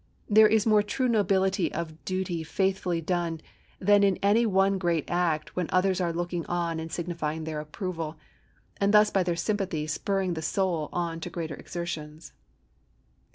There is more true nobility in duty faithfully done than in any one great act when others are looking on and signifying their approval, and thus by their sympathy spurring the soul on to greater exertions.